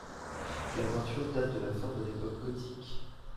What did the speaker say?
La peinture date de la fin de l'époque gothique.